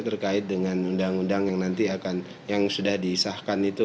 terkait dengan undang undang yang nanti akan yang sudah disahkan itu